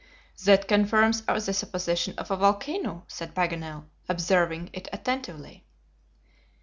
"That confirms the supposition of a volcano," said Paganel, observing it attentively.